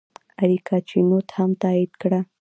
اریکا چینوت هم دا تایید کړه.